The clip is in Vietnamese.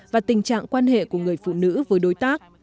và tình trạng quan hệ của người phụ nữ với đối tác